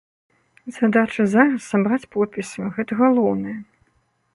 Задача зараз сабраць подпісы, гэта галоўнае.